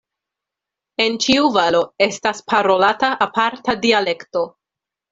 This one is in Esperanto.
En ĉiu valo estas parolata aparta dialekto.